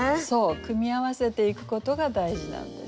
組み合わせていくことが大事なんです。